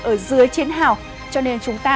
ở dưới chiến hào cho nên chúng ta